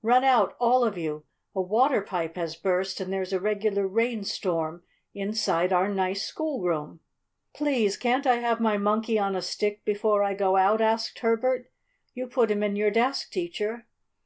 Run out, all of you. A water pipe has burst and there's a regular rain storm inside our nice schoolroom." "Please can't I have my Monkey on a Stick before I go out?" asked Herbert. "You put him in your desk, Teacher!"